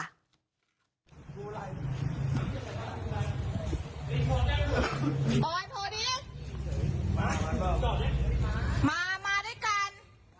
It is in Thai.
โดยโทรดิสมามาด้วยกัน